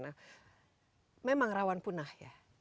nah memang rawan punah ya